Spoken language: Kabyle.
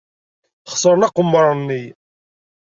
Xeṣren aqemmer-nni.